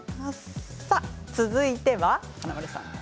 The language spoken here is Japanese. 続いては華丸さん。